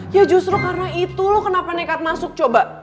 ya justru karena itu lo kenapa nekat masuk coba